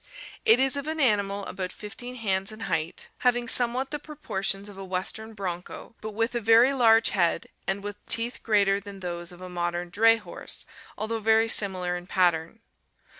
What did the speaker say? It is of an animal about 15 hands in height, 620 ORGANIC EVOLUTION having somewhat the proportions of a western broncho, but with a very large head and with teeth greater than those of a modem dray horse, although very similar in pattern.